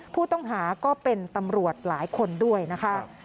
ผู้ต้องหาก็เป็นตำรวจหลายคนด้วยนะคะ